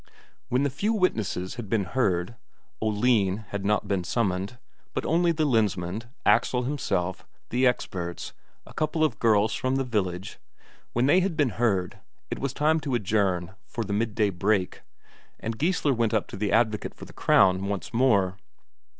When the few witnesses had been heard Oline had not been summoned, but only the Lensmand, Axel himself, the experts, a couple of girls from the village when they had been heard, it was time to adjourn for the midday break, and Geissler went up to the advocate for the Crown once more.